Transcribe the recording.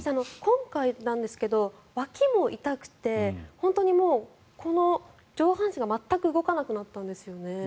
今回なんですが、わきも痛くて本当にもう上半身が全く動かなくなったんですよね。